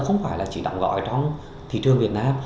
không phải là chỉ đọng gọi trong thị trường việt nam